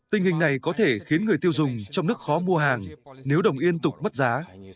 tình hình này có thể khiến người tiêu dùng trong nước khó mua hàng nếu đồng yên tục mất giá